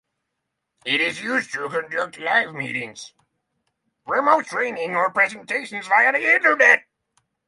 It is used to conduct live meetings, remote training, or presentations via the Internet.